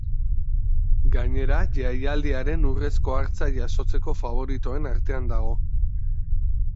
Gainera, jaialdiaren urrezko hartza jasotzeko faboritoen artean dago.